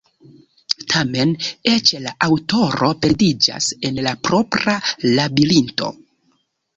Tamen, eĉ la aŭtoro perdiĝas en la propra labirinto.